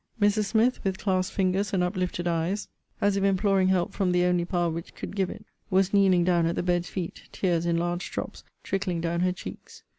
Mrs. Smith, with clasped fingers, and uplifted eyes, as if imploring help from the only Power which could give it, was kneeling down at the bed's feet, tears in large drops trickling down her cheeks.